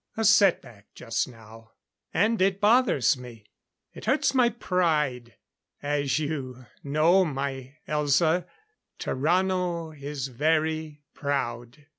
A set back just now and it bothers me. It hurts my pride and as you know, my Elza, Tarrano is very proud."